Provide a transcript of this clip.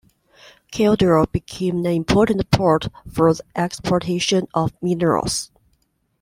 Caldera became an important port for the exportation of minerals.